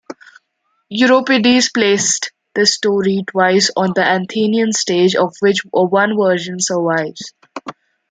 Euripides placed this story twice on the Athenian stage, of which one version survives.